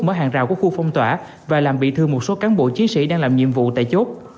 mở hàng rào của khu phong tỏa và làm bị thương một số cán bộ chiến sĩ đang làm nhiệm vụ tại chốt